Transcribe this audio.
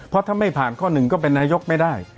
เพราะถ้าไม่ผ่านข้อหนึ่งก็เป็นนายกไม่ได้